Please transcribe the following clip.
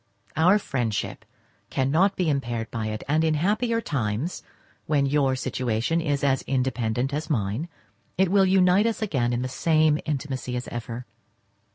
Our friendship cannot be impaired by it, and in happier times, when your situation is as independent as mine, it will unite us again in the same intimacy as ever.